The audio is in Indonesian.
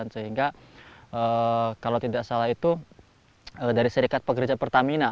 sehingga kalau tidak salah itu dari serikat pekerja pertamina